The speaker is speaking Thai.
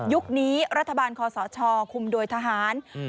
นี้รัฐบาลคอสชคุมโดยทหาร